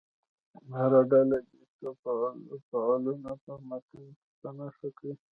هره ډله دې څو فعلونه په متن کې په نښه کړي.